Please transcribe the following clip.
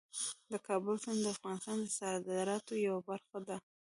د کابل سیند د افغانستان د صادراتو یوه برخه ده.